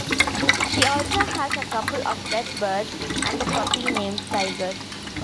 She also has a couple of pet birds, and a puppy named Tiger.